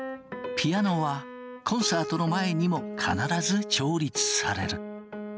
ピアノはコンサートの前にも必ず調律される。